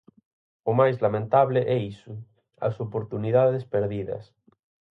O máis lamentable é iso: as oportunidades perdidas.